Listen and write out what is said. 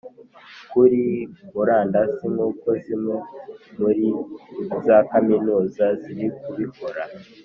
kuri murandasi nk'uko zimwe muri za kaminuza ziri kubikora,